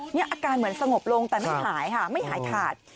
นี่อาการเหมือนสงบลงแต่ไม่หายค่ะไม่หายขาด